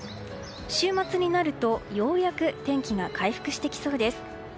週末になると、ようやく天気が回復してきそうです。